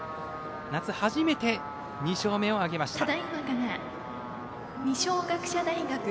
夏、初めて２勝目を挙げました。